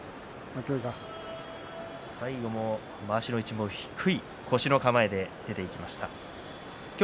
最後のまわしの位置も低い腰の位置で押し出しました。